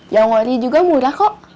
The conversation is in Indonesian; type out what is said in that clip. yang wali juga murah kok